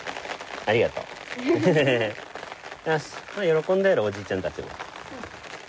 喜んだやろおじいちゃんたちも。